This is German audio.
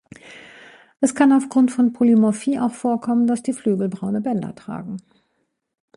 Es kann auf Grund von Polymorphie auch vorkommen, dass die Flügel braune Bänder tragen.